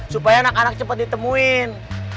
supaya anak anak cepat ditemuin